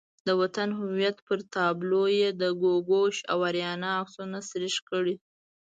د وطن هویت پر تابلو یې د ګوګوش او آریانا عکسونه سریښ کړي.